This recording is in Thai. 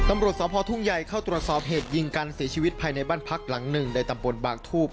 มศทุ่งใหญ่เข้าตรวจสอบเหตุยิ่งกันเสียชีวิตภายในบ้านพักหลัง๑ในตำบลบางทูป